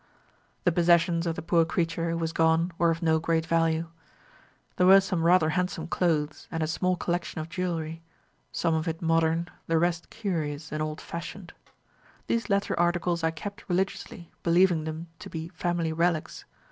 "The possessions of the poor creature who was gone were of no great value. There were some rather handsome clothes and a small collection of jewelry some of it modern, the rest curious and old fashioned. These latter articles I kept religiously, believing them to be family relics.